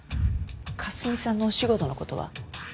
かすみさんのお仕事の事は？